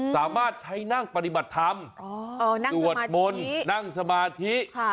สามารถใช้นั่งปฏิบัติธรรมสวดมนต์นั่งสมาธิ